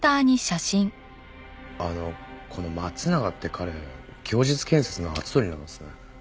あのこの松永って彼協日建設の跡取りなんですね。